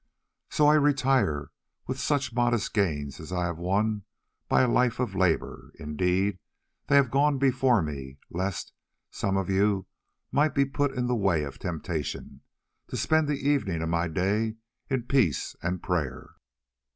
So I retire with such modest gains as I have won by a life of labour—indeed, they have gone before me, lest some of you might be put in the way of temptation—to spend the evening of my day in peace and prayer.